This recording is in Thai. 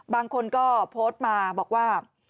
บางคนก็โพสต์มาบอกว่า